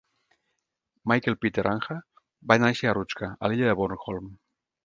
Michael Peter Ancher va néixer a Rutsker, a l'illa de Bornholm.